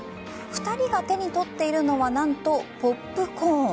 ２人が手に取っているのは何とポップコーン。